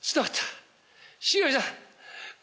しのいだ。